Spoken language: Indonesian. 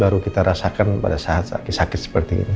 baru kita rasakan pada saat sakit sakit seperti ini